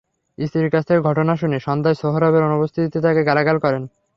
স্ত্রীর কাছ থেকে ঘটনা শুনে সন্ধ্যায় সোহরাবের অনুপস্থিতিতে তাঁকে গালাগাল করেন।